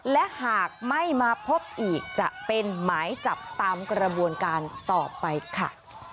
และหากไม่มาพบอีกจะเป็นหมายจับตามกระบวนการต่อไปค่ะ